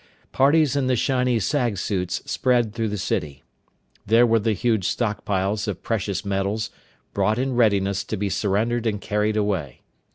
Parties in the shiny sag suits spread through the city. There were the huge stockpiles of precious metals, brought in readiness to be surrendered and carried away.